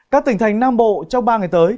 các tỉnh thành nam bộ trong ba ngày tới